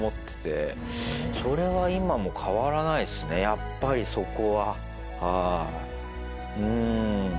やっぱりそこは。